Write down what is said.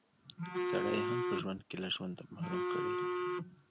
سړی يې هم په ژوند کښې له ژونده محروم کړی وي